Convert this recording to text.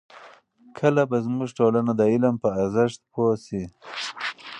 کله به زموږ ټولنه د علم په ارزښت پوه شي؟